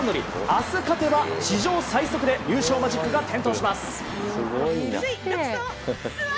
明日勝てば、史上最速で優勝マジックが点灯します。